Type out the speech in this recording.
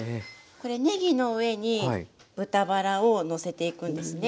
これねぎの上に豚バラをのせていくんですね。